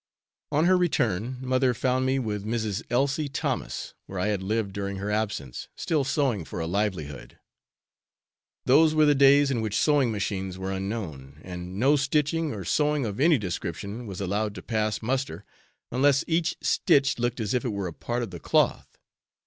On her return, mother found me with Mrs. Elsie Thomas, where I had lived during her absence, still sewing for a livelihood. Those were the days in which sewing machines were unknown, and no stitching or sewing of any description was allowed to pass muster, unless each stitch looked as if it were a part of the cloth.